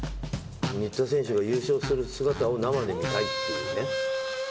新田選手が優勝する姿を生で見たいっていうね。